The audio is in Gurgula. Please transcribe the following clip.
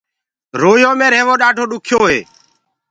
وري يو مي رهيوو ڏآڍو ڏُکيو هي۔